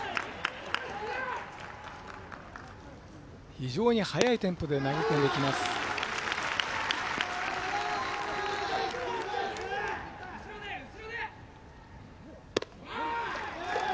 非常に速いテンポで投げ込んできます。